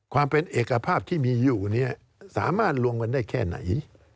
ความเป็นเอกภาพที่มีอยู่เนี่ยสามารถรวมกันได้แค่ไหน